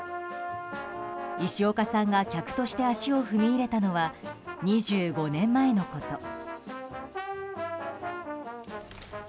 石岡さんが客として足を踏み入れたのは２５年前のこと。